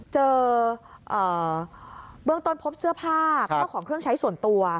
เจอเบื้องต้นพบเสื้อผ้าข้าวของเครื่องใช้ส่วนตัว